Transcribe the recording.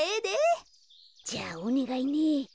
じゃあおねがいね。